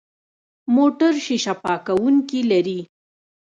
موټر شیشه پاکونکي لري.